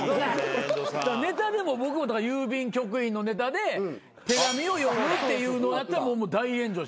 ネタでも僕郵便局員のネタで手紙を読むっていうのをやったら大炎上しましたからね。